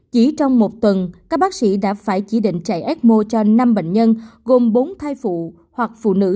chỉ trong một tuần các bác sĩ đã phải chỉ định chạy ecmo cho năm bệnh nhân gồm bốn thai phụ hoặc phụ nữ